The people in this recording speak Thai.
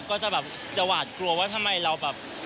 ก็จะแบบจะหวาดกลัวว่าทำไมเราแบบ